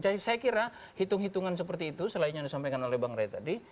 jadi saya kira hitung hitungan seperti itu selain yang disampaikan oleh bang rai tadi